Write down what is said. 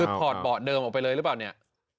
คือถอดเบาะเดิมออกไปเลยหรือเปล่าเนี่ย